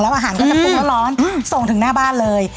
อาหารก็จะปรุงร้อนส่งถึงหน้าบ้านเลย